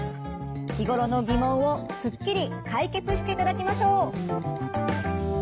日頃の疑問をすっきり解決していただきましょう。